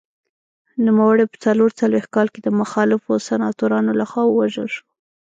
نوموړی په څلور څلوېښت کال کې د مخالفو سناتورانو لخوا ووژل شو.